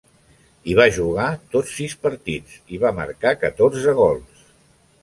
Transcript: Hi va jugar tots sis partits, i va marcar catorze gols.